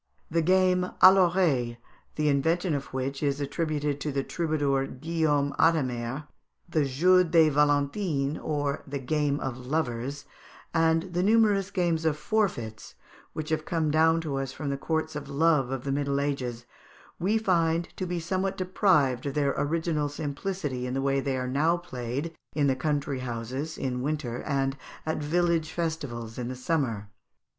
The game à l'oreille, the invention of which is attributed to the troubadour Guillaume Adhémar, the jeu des Valentines, or the game of lovers, and the numerous games of forfeits, which have come down to us from the Courts of Love of the Middle Ages, we find to be somewhat deprived of their original simplicity in the way they are now played in country houses in the winter and at village festivals in the summer.